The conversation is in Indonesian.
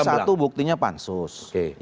tadi satu buktinya pansus